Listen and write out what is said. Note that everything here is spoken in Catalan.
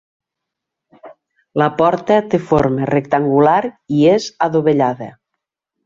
La porta té forma rectangular i és adovellada.